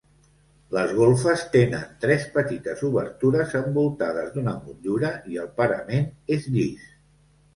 Les golfes tenen tres petites obertures envoltades d'una motllura i el parament és llis.